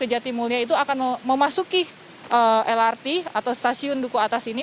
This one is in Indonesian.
ke jati mulia itu akan memasuki lrt atau stasiun duku atas ini